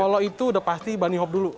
kalau itu udah pasti bunny hop dulu